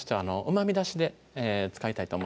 うまみ出し